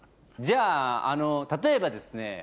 じゃ例えばですね